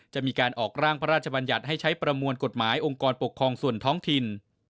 จะมีการออกร่างพระราชบัญญัติให้ใช้ประมวลกฎหมายองค์กรปกครองส่วนท้องถิ่น